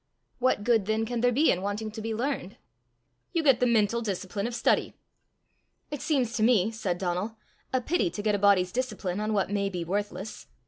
"What good then can there be in wanting to be learned?" "You get the mental discipline of study." "It seems to me," said Donal, "a pity to get a body's discipline on what may be worthless.